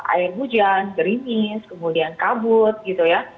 air hujan gerimis kemudian kabut gitu ya